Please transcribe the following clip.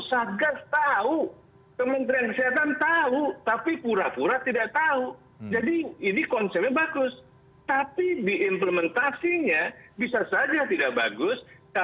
saya cek ke pak alex bagaimana pak alex